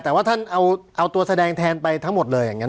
แต่ว่าท่านเอาตัวแสดงแทนไปทั้งหมดเลยอย่างนั้น